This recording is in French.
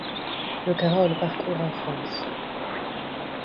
Le Carol parcourt en France.